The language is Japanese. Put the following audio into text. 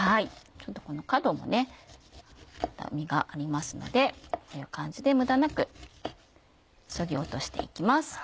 ちょっとこの角もねまだ実がありますのでこういう感じで無駄なくそぎ落として行きます。